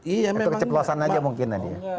itu keceplosan aja mungkin